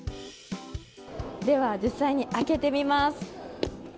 では実際に開けてみます。